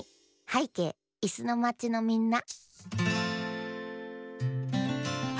「はいけいいすのまちのみんな」